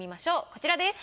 こちらです。